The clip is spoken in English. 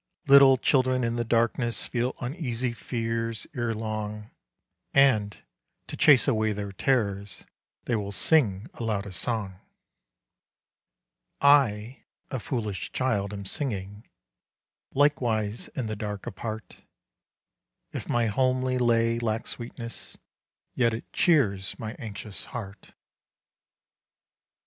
Little children in the darkness Feel uneasy fears erelong, And, to chase away their terrors, They will sing aloud a song. I, a foolish child, am singing Likewise in the dark apart. If my homely lay lack sweetness, Yet it cheers my anxious heart.